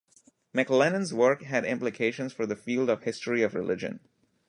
McLennan's work had implications for the field of history of religion.